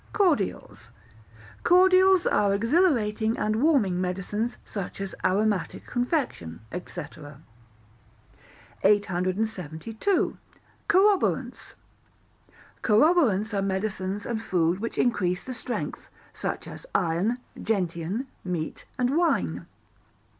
Cordials Cordials are exhilarating and warming medicines, such as aromatic confection, &c. 872. Corroborants Corroborants are medicines and food which increase the strength, such as iron, gentian, meat, and wine.